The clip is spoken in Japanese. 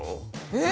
えっ！